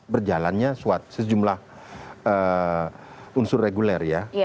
berjalannya sejumlah unsur reguler ya